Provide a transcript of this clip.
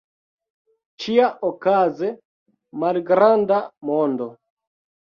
Ĉiaokaze, malgranda mondo.